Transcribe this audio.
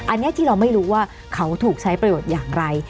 อันนี้ที่เราไม่รู้ว่าเขาถูกใช้ประโยชน์อย่างไร